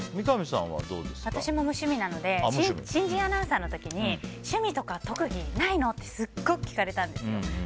私も無趣味なので新人アナウンサーの時に趣味とか特技ないの？ってすごく聞かれたんですよ。